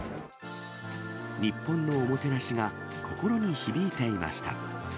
日本のおもてなしが、心に響いていました。